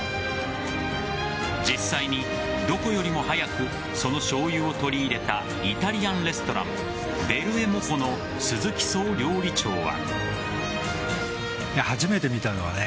実際に、どこよりも早くそのしょうゆを取り入れたイタリアンレストランベルェモコの鈴木総料理長は。